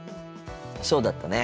そうだったね。